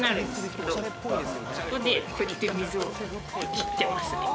そこでこうやって水を切ってますね。